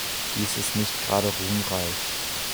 Dies ist nicht gerade ruhmreich.